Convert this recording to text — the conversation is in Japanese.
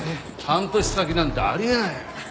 半年先なんてあり得ない。